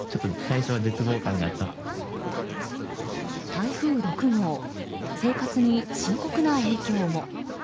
台風６号生活に深刻な影響も。